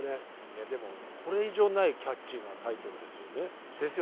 いやでもこれ以上ないキャッチーなタイトルですよね。